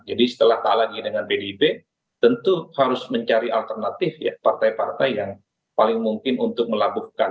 jadi setelah tak lagi dengan pdip tentu harus mencari alternatif partai partai yang paling mungkin untuk melaburkan